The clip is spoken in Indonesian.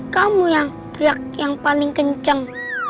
kamu yang teriak yang paling kencang